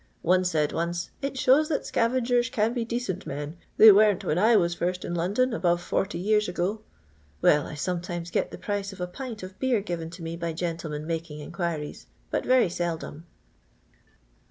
One said once, 'It shows that scavengers can be decent men; they weren't when I was first in London, above 40 years ago.' Well, I sometimes get the price of a pint of beer given to me by gentlemen making inquiries, but very seldom."